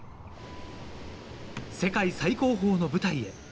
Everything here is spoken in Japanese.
世界最高峰の舞台へ。